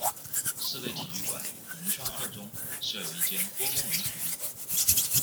室内体育馆银川二中设有一间多功能体育馆。